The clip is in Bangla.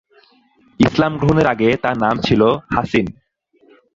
ইসলাম গ্রহণের আগে তার নাম ছিল হাছিন।